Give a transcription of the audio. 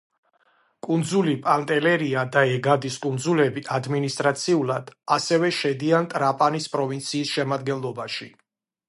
კუნძული პანტელერია და ეგადის კუნძულები ადმინისტრაციულად ასევე შედიან ტრაპანის პროვინციის შემადგენლობაში.